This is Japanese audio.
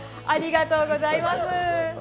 ありがとうございます。